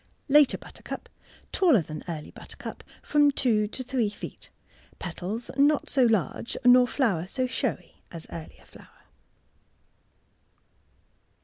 Later Buttercup.— Taller than early butter cup (from two to three feet)— petals not so large nor flower so showy as earlier flower.